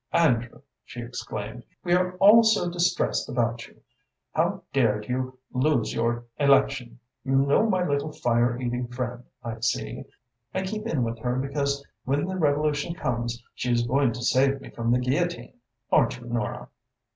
"Andrew," she exclaimed, "we are all so distressed about you! How dared you lose your election! You know my little fire eating friend, I see. I keep in with her because when the revolution comes she is going to save me from the guillotine, aren't you, Nora?"